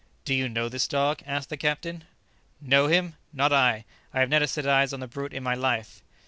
"Do you know this dog?" asked the captain. "Know him? Not I! I have never set eyes on the brute in my life."